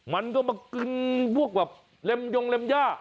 มันก็อะไรลมย่องลมย่า